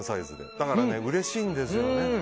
だからうれしいんですよね。